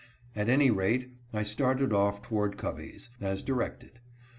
At any rate, I started off toward Covey's, as directed.